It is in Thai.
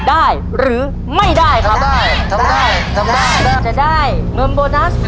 ได้หรือไม่ได้ครับ